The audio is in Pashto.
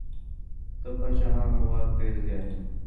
د پاچاهانو واک ډېر زيات و.